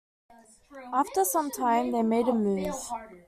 After some time, they made a move.